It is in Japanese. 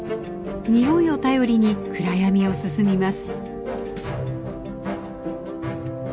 匂いを頼りに暗闇を進みます。